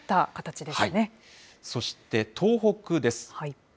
そして東北です。